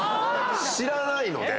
知らないので。